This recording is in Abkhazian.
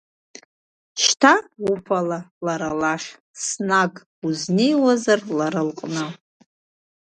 Шьҭа уԥа лара лахь, снаг, узнеиуазар, лара лҟны!